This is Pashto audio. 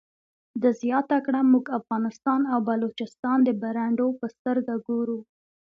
ده زیاته کړه موږ افغانستان او بلوچستان د برنډو په سترګه ګورو.